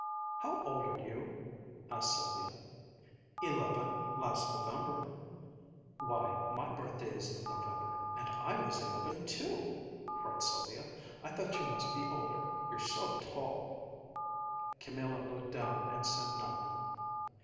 "How old are you?" asked Sylvia. "Eleven, last November." "Why, my birthday is in November, and I was eleven too!" cried Sylvia. "I thought you must be older you're so tall." Camilla looked down and said nothing.